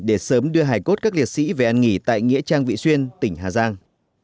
để sớm đưa hải cốt các liệt sĩ về ăn nghỉ tại nghĩa trang vị xuyên tỉnh hà giang